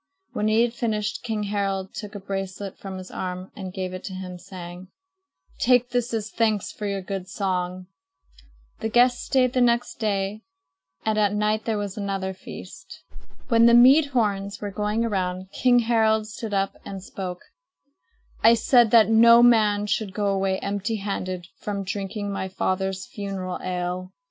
When he had finished, King Harald took a bracelet from his arm and gave it to him, saying: "Take this as thanks for your good song." The guests stayed the next day and at night there was another feast. When the mead horns were going around, King Harald stood up and spoke: "I said that no man should go away empty handed from drinking my father's funeral ale."